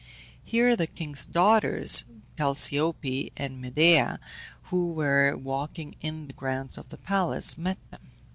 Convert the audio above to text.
Here the king's daughters, Chalciope and Medea, who were walking in the grounds of the palace, met them.